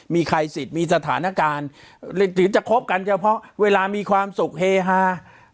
มีใครสิทธิ์มีสถานการณ์ถึงจะคบกันเฉพาะเวลามีความสุขเฮฮา